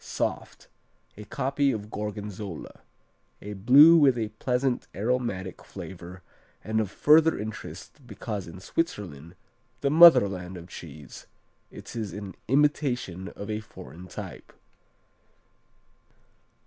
Soft. A copy of Gorgonzola. A Blue with a pleasant, aromatic flavor, and of further interest because in Switzerland, the motherland of cheese, it is an imitation of a foreign type.